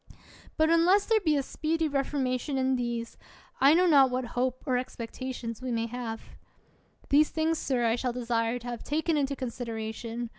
But unless there be a speedy reformation in these, I know not what hope or expectation we may have. These things, sir, I shall desire to have taken into consideration.